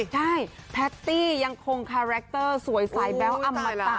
ใช่แพตตี้ยังคงคาแรคเตอร์สวยสายแบ๊วอมตะ